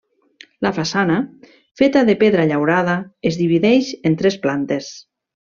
La façana, feta de pedra llaurada, es divideix en tres plantes.